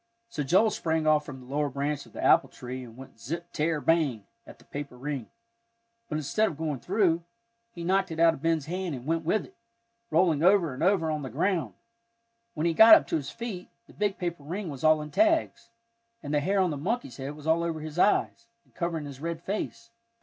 So Joel sprang off from the lower branch of the apple tree and went zip tear bang, at the paper ring. But instead of going through, he knocked it out of Ben's hand, and went with it, rolling over and over on the ground. When he got up to his feet, the big paper ring was all in tags, and the hair on the monkey's head was all over his eyes, and covering his red face.